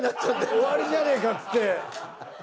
終わりじゃねえかっつって。